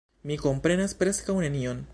Mi komprenas preskaŭ nenion.